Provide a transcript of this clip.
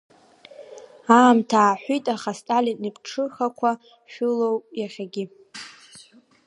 Аамҭа ааҳәит, аха Сталин иԥҽыхақәа шәылоуп иахьагьы.